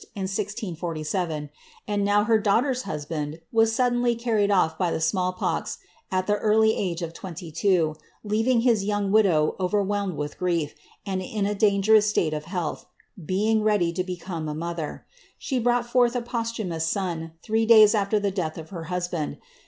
in 1647 ; and now her iiaughter^s husband was suddenly carried off by the sroall poz, at the early age of twenty two, leaving his young widow overwhdmed with grief, and in a dangerous state of health, being ready to become a ido iher. She brought forth a posthumous son, three days afler the desth of her husband.